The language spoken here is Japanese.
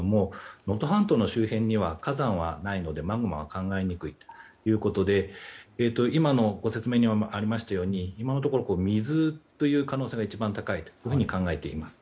能登半島の周辺には火山はないのでマグマは考えにくいということで今のご説明にもありましたように今のところ水という可能性が一番高いと考えています。